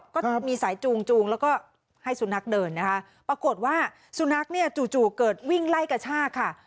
ก็มีสายจูงจูงแล้วก็ให้สุนัขเดินนะคะปรากฏว่าสุนัขเนี่ยจู่เกิดวิ่งไล่กระชากค่ะ